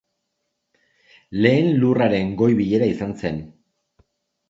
Lehen Lurraren Goi Bilera izan zen.